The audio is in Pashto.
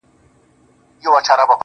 چي د خلکو یې لوټ کړي وه مالونه!.